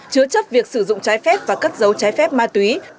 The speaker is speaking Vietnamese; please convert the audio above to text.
chứa chấp việc sử dụng trái phép và cất dấu trái phép ma túy